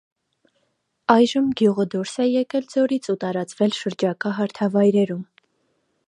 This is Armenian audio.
Այժմ գյուղը դուրս է եկել ձորից ու տարածվել շրջակա հարթավայրերում։